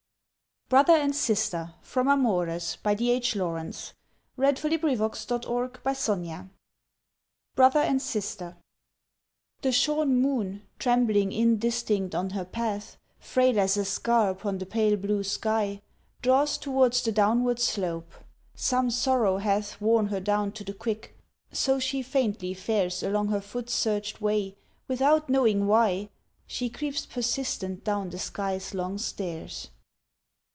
ng your strong breast carry me on into The peace where sleep is stronger even than wine. BROTHER AND SISTER THE shorn moon trembling indistinct on her path, Frail as a scar upon the pale blue sky, Draws towards the downward slope; some sorrow hath Worn her down to the quick, so she faintly fares Along her foot searched way without knowing why She creeps persistent down the sky's long stairs.